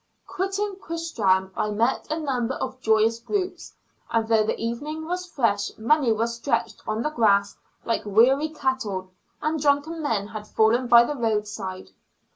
Quitting Quistram I met a number of joyous groups, and though the evening was fresh many were stretched on the grass like weary cattle; and drunken men had fallen by the road side.